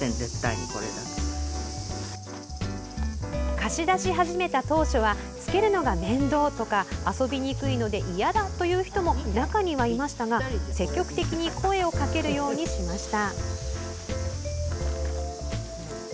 貸し出し始めた当初は着けるのが面倒とか遊びにくいのでいやだという人も中にはいましたが積極的に声をかけるようにしました。